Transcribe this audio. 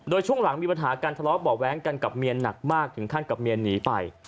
โดยช่วงหลังมีปัญหาการทะเลาะเบาะแว้งกันกับเมียหนักมากถึงขั้นกับเมียหนีไป